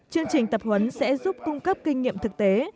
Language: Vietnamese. chương trình tập huấn sẽ giúp cung cấp kinh nghiệm thực tế